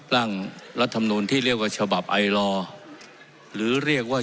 ร่างรัฐมนูลที่เรียกว่าฉบับไอลอร์หรือเรียกว่า